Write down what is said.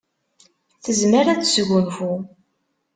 Tezmer ad tesgunfu.